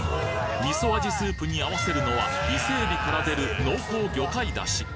味噌味スープに合わせるのは伊勢海老から出る濃厚魚介ダシ